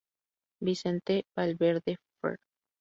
Vicente Valverde, fr.